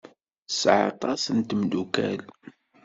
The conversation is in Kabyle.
Tesɛa aṭas n tmeddukal.